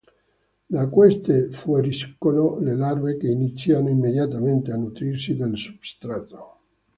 Da queste fuoriescono le larve che iniziano immediatamente a nutrirsi del substrato.